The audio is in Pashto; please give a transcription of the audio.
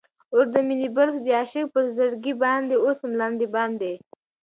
اور د مینی بل سو د عاشق پر زړګي باندي، اوسوم لاندی باندي